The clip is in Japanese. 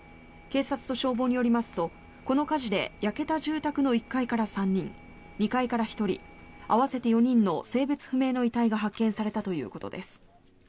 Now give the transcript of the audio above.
警察と消防によりますとこの火事で焼けた住宅の１階から３人２階から１人、合わせて４人の性別不明の遺体が発見されたということです。